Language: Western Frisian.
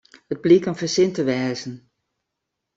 It bliek in fersin te wêzen.